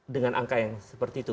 dengan angka yang seperti itu